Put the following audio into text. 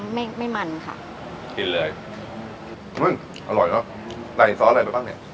ไม่ไม่มันค่ะกินเลยเฮ้ยอร่อยเนอะใส่ซอสอะไรไปบ้างเนี้ย